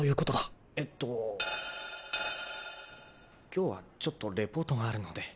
今日はちょっとリポートがあるので。